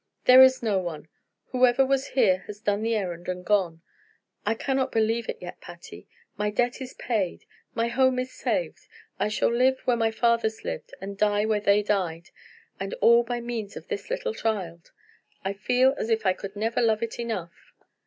"There is no one. Whoever was here has done the errand and gone. I cannot believe it yet, Patty. My debt is paid! my home is saved! I shall live where my fathers lived, and die where they died; and all by means of this little child. I feel as if I could never love it enough!"